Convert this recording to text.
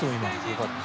よかった。